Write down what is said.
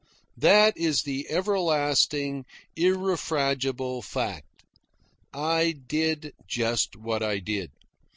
That is the everlasting, irrefragable fact. I did just what I did.